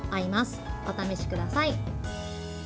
お試しください。